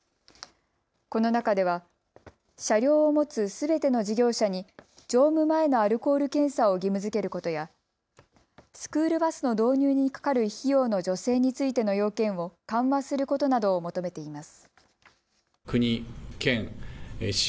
この中では車両を持つすべての事業者に乗務前のアルコール検査を義務づけることやスクールバスの導入にかかる費用の助成についての要件を緩和することなどを求めています。